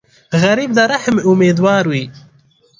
غریب د رحم امیدوار وي